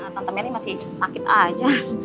tante meri masih sakit aja